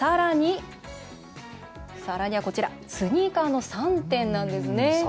さらにはスニーカーの３点なんですね。